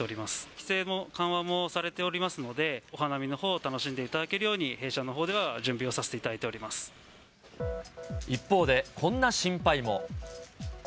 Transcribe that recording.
規制も緩和もされておりますので、お花見のほうを楽しんでいただけるように、弊社のほうでは準備を一方で、こんな心配も。